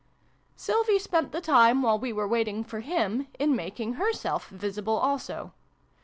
Sylvie spent the time, while we were waiting for him, in making herself visible also.